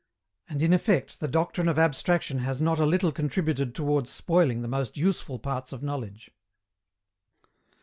And in effect the doctrine of abstraction has not a little contributed towards spoiling the most useful parts of knowledge.